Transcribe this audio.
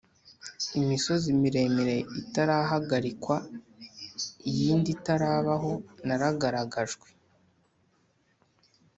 imisozi miremire itarahagarikwa, iyindi itarabaho naragaragajwe